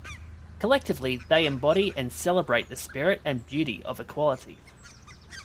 Collectively, they embody and celebrate the spirit and beauty of equality.